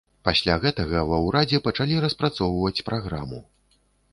Пасля гэтага ва ўрадзе пачалі распрацоўваць праграму.